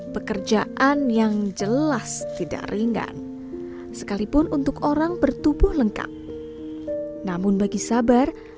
pekerjaan yang jelas tidak ringan sekalipun untuk orang bertubuh lengkap namun bagi sabar